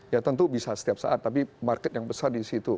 ya tentu bisa setiap saat tapi market yang besar di situ